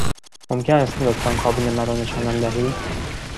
ممکن است لطفاً کابین مرا نشانم دهید؟